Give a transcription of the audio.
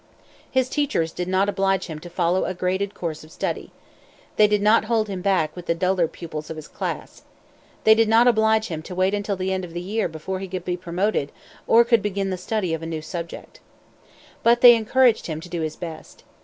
His teachers did not oblige him to follow a graded course of study. They did not hold him back with the duller pupils of his class. They did not oblige him to wait until the end of the year before he could be promoted or could begin the study of a new subject. But they encouraged him to do his best.